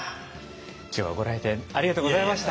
今日はご来店ありがとうございました。